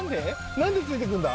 なんでついてくんだ？